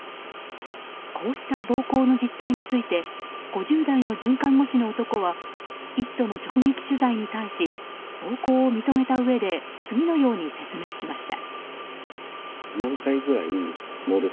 こうした暴行の実態について５０代の准看護師の男は「イット！」の直撃取材に対し暴行を認めたうえで次のように説明しました。